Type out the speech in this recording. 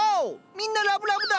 みんなラブラブだ。